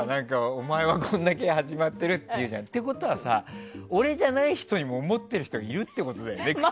お前はこれだけ始まってるって言うじゃん。ってことはさ、俺じゃない人にも思っている人がいるってことだよね。